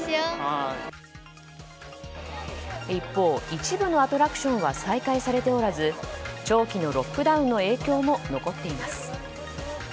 一方、一部のアトラクションは再開されておらず長期のロックダウンの影響も残っています。